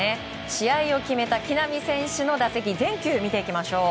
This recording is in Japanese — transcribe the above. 試合を決めた木浪選手の打席全球見ていきましょう。